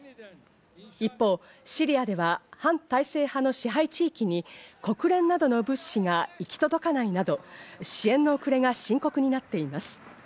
一方、シリアでは反体制派の支配地域に国連などの物資が行き届かないなど、支援の遅れが深刻になっています。